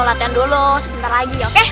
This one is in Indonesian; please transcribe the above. latihan dulu sebentar lagi oke